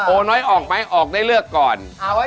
น้อยออกไหมออกได้เลือกก่อน